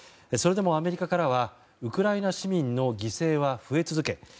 それでもアメリカからはウクライナ市民の犠牲は増え続け